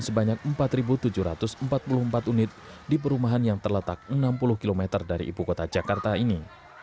sebanyak empat tujuh ratus empat puluh empat unit di perumahan yang terletak enam puluh km dari ibu kota jakarta ini